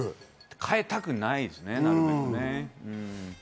変えたくないですね、なるべく。